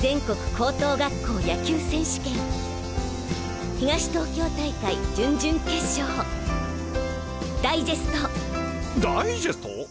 全国高等学校野球選手権東東京大会準々決勝ダイジェストダイジェスト？